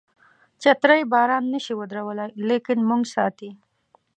چترۍ باران نشي ودرولای لیکن موږ ساتي.